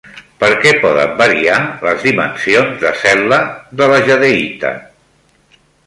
Per què poden variar les dimensions de cel·la de la jadeïta?